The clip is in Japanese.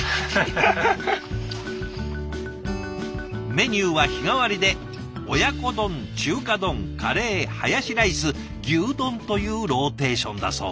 メニューは日替わりで親子丼中華丼カレーハヤシライス牛丼というローテーションだそう。